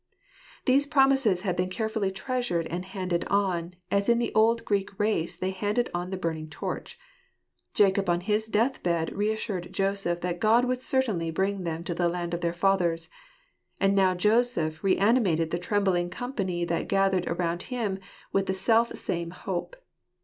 These promises had been carefully treasured and handed on, as in the old Greek race they handed on the burning torch. Jacob on his death bed re assured Joseph that God would certainly bring them to the land of their fathers; and now Joseph re animated the trembling company that gathered around him with the self same hope.